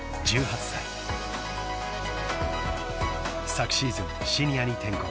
［昨シーズンシニアに転向。